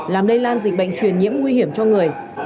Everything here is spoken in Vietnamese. làm lây lan dịch bệnh truyền nhiễm nguy hiểm cho người